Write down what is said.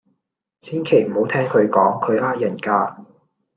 千祈唔好聽佢講，佢呃人㗎。